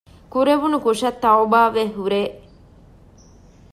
ކުރެވުނު ކުށަށް ތަޢުބާވެހުރޭ